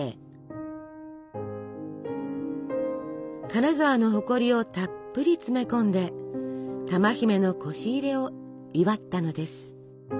金沢の誇りをたっぷり詰め込んで珠姫のこし入れを祝ったのです。